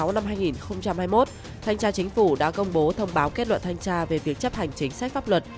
năm hai nghìn hai mươi một thanh tra chính phủ đã công bố thông báo kết luận thanh tra về việc chấp hành chính sách pháp luật